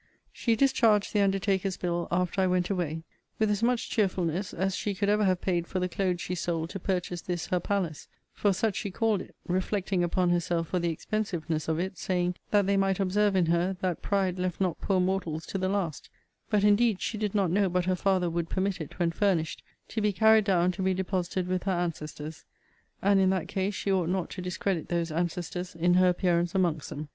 She discharged the undertaker's bill after I went away, with as much cheerfulness as she could ever have paid for the clothes she sold to purchase this her palace: for such she called it; reflecting upon herself for the expensiveness of it, saying, that they might observe in her, that pride left not poor mortals to the last: but indeed she did not know but her father would permit it, when furnished, to be carried down to be deposited with her ancestors; and, in that case, she ought not to discredit those ancestors in her appearance amongst them.